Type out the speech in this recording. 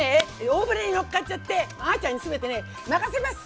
大船に乗っかっちゃってあちゃんに全てね任せます。